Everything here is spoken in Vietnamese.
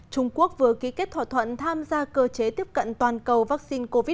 trung quốc vừa ký kết thỏa thuận tham gia cơ chế tiếp cận toàn cầu vaccine covid một mươi chín